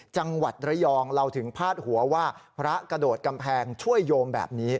จังหวัดระยองเราถึงพาดหัวว่าพระกระโดดกำแพงช่วยโยมแบบนี้